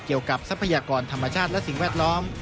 เกี่ยวกับทรัพยากรธรรมชาติและสิ่งแวดล้อม